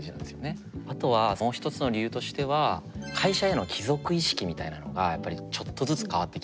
あとはもう一つの理由としては会社への帰属意識みたいなのがやっぱりちょっとずつ変わってきてる。